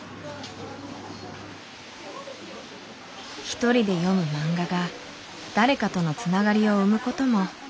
一人で読むマンガが誰かとのつながりを生むこともあるんだな。